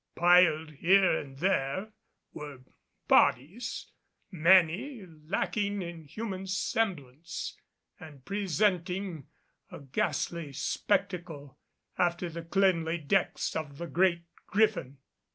Piled here and there were bodies, many lacking in human semblance and presenting a ghastly spectacle after the cleanly decks of the Great Griffin.